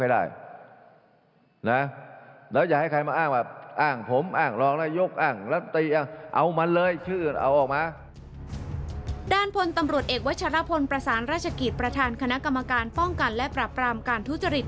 ด้านพลตำรวจเอกวัชรพลประสานราชกิจประธานคณะกรรมการป้องกันและปรับรามการทุจริต